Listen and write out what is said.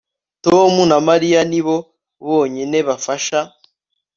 tom na mariya nibo bonyine bafasha